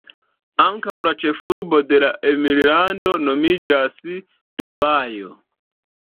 Ankaŭ la ĉefurbo de la emirlando nomiĝas Dubajo.